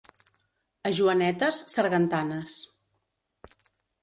A Joanetes, sargantanes.